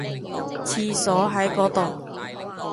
廁所喺嗰度